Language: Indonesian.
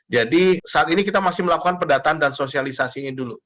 jadi saat ini kita masih melakukan pendataan dan sosialisasi dulu